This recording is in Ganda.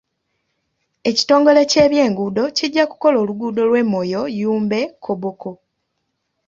Ekitongole ky'ebyenguudo kijja kukola oluguudo olw'e Moyo-Yumbe-Koboko.